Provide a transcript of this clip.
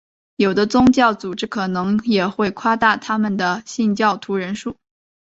有的宗教组织可能也会夸大他们的信徒人数。